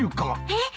えっ！